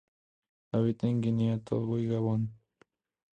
Habita en Guinea, Togo y Gabón.